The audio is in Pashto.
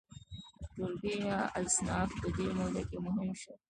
ټولګي یا اصناف په دې موده کې مهم شول.